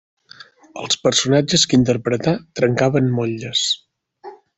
Els personatges que interpretà trencaven motlles.